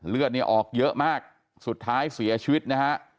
เลือดเนี่ยออกเยอะมากสุดท้ายเสียชีวิตนะฮะ